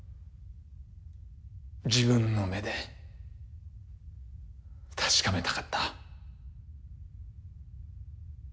自分の目で確かめたかった。